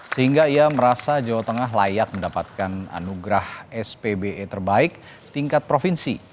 sehingga ia merasa jawa tengah layak mendapatkan anugerah spbe terbaik tingkat provinsi